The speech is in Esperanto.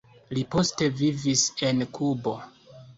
Li poste vivis en Kubo.